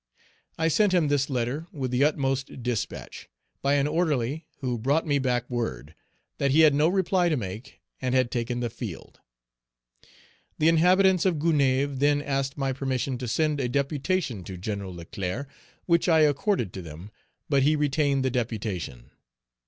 I sent him this letter with the utmost despatch, by an orderly, who brought me back word, "that he had no reply to make and had taken the field." The inhabitants of Gonaïves then asked my permission to send a deputation to Gen. Leclerc, which I accorded to them, but he retained the deputation.